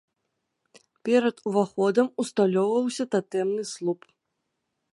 Перад уваходам усталёўваўся татэмны слуп.